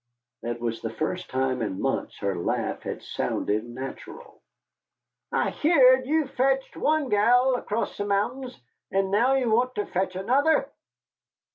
That was the first time in months her laugh had sounded natural. "I heerd you fetched one gal acrost the mountains, and now you want to fetch another."